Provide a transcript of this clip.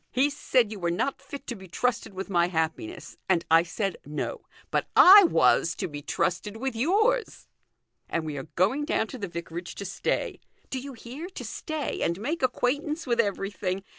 He said you were not fit to be trusted with my happiness, and I said no ; but I was to be trusted with yours. And we are going down to the vicarage to stay ; do you hear, to stay, and make acquaintance with everything.